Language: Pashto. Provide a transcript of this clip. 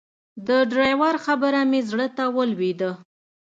د ډرایور خبره مې زړه ته ولوېده.